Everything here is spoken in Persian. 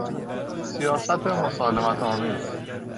سیاست مسالمت آمیز